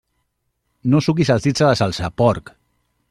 No suquis els dits a la salsa, porc!